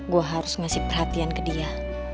gue harus ngasih perhatian ke dia